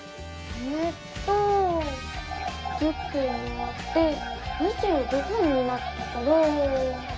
えっと１０本もらって２５本になったから。